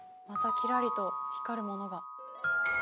またキラリと光るものが。